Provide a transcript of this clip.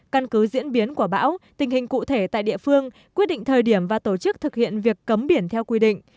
căn cứ diễn biến của bão tình hình cụ thể tại địa phương quyết định thời điểm và tổ chức thực hiện việc cấm biển theo quy định